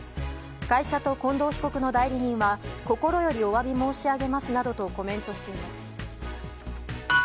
会社と近藤被告の代理人は心よりお詫び申し上げますなどとコメントしています。